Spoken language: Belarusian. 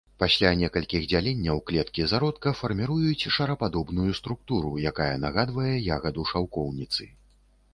Пасля некалькіх дзяленняў клеткі зародка фарміруюць шарападобную структуру, які нагадвае ягаду шаўкоўніцы.